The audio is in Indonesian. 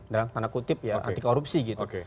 dalam tanda kutip anti korupsi gitu